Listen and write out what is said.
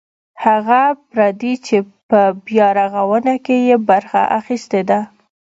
هغه پردي چې په بیارغاونه کې یې برخه اخیستې ده.